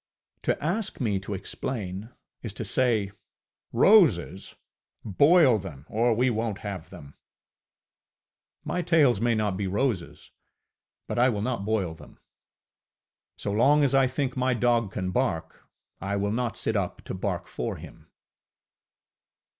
To ask me to explain, is to say, ŌĆ£Roses! Boil them, or we wonŌĆÖt have them! ŌĆØ My tales may not be roses, but I will not boil them. So long as I think my dog can bark, I will not sit up to bark for him.